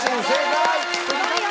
すごいよ！